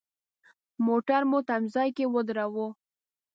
موټر مو تم ځای کې ودراوه.